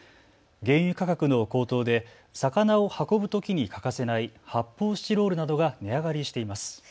原油価格の高騰で魚を運ぶときに欠かせない発泡スチロールなどが値上がりしています。